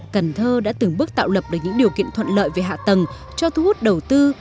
cần thơ đã từng bước tạo lập được những điều kiện thuận lợi về hạ tầng cho thu hút đầu tư